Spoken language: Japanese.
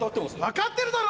分かってるだろ！